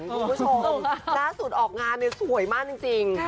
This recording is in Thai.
ทุกผู้ชมวันที่สุดออกงานสวยมากจริง